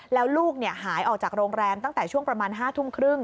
แล้วลูกหายออกจากโรงแรมตั้งแต่ช่วงประมาณ๕ทุ่มครึ่ง